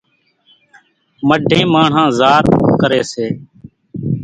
مڍين ماڻۿان زار ڪري سي